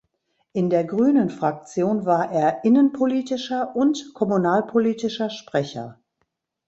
In der Grünen-Fraktion war er innenpolitischer und kommunalpolitischer Sprecher.